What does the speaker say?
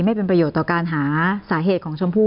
ไม่เป็นประโยชน์ต่อการหาสาเหตุของชมพู่